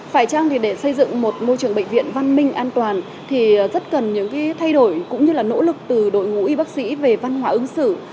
phải chăng thì để xây dựng một môi trường bệnh viện văn minh an toàn thì rất cần những thay đổi cũng như là nỗ lực từ đội ngũ y bác sĩ về văn hóa ứng xử